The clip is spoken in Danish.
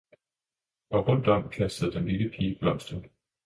Og rundt om kastede den lille pige blomster.